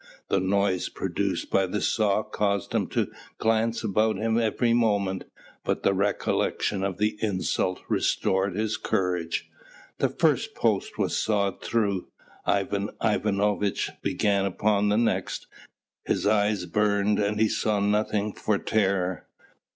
The noise produced by the saw caused him to glance about him every moment, but the recollection of the insult restored his courage. The first post was sawed through. Ivan Ivanovitch began upon the next. His eyes burned and he saw nothing for terror.